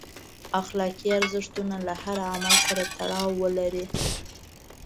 اخلاقي ارزښتونه له هر عمل سره تړاو ولري.